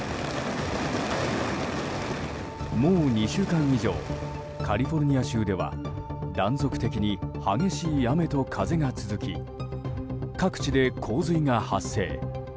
もう２週間以上カリフォルニア州では断続的に激しい雨と風が続き各地で洪水が発生。